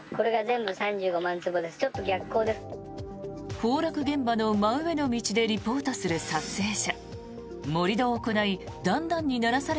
崩落現場の真上の道でリポートする撮影者。